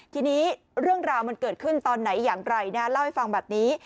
ทีนี้เรื่องราวมันเกิดขึ้นตอนไหนอย่างไรนะเล่าให้ฟังแบบนี้